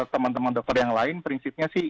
teman teman dokter yang lain prinsipnya sih